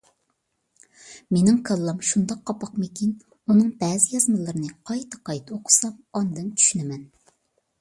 مېنىڭ كاللام شۇنداق قاپاقمىكىن، ئۇنىڭ بەزى يازمىلىرىنى قايتا-قايتا ئوقۇسام ئاندىن چۈشىنىمەن.